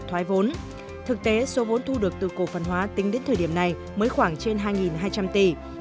thoái vốn thực tế số vốn thu được từ cổ phần hóa tính đến thời điểm này mới khoảng trên hai hai trăm linh tỷ